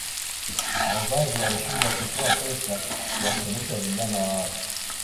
wazazi walishindwa kutoa pesa kuwasomesha vijana wao